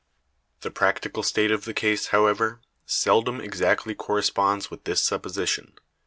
(109) The practical state of the case, however, seldom exactly corresponds with this supposition.